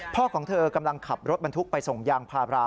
ของเธอกำลังขับรถบรรทุกไปส่งยางพารา